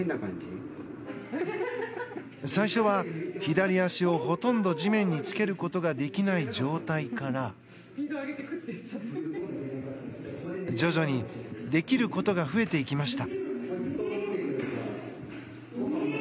最初は左足をほとんど地面につけることができない状態から徐々に、できることが増えていきました。